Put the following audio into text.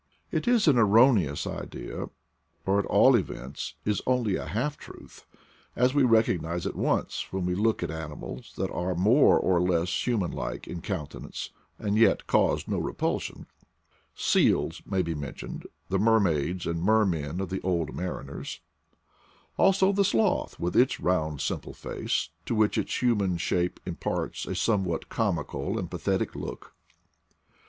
It is an erroneous idea, or, at all events, is only a half truth, as we recognize at once when we look at animals that are more or less human like in countenance, and yet cause no repulsion. Seals may be mentioned — the mer maids and mermen of the old mariners; also the sloth with its round simple face, to which its hu man shape imparts a somewhat comical and pa thetic look.